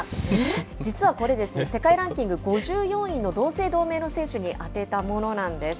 実はこれ、世界ランキング５４位の同姓同名の選手に宛てたものなんです。